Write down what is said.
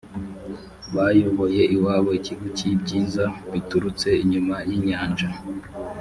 bayoboye iwabo ikivu cy’ibyiza biturutse inyuma y’inyanja,